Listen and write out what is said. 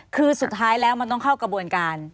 คือสุดท้ายแล้วมันต้องเข้ากระบวนการ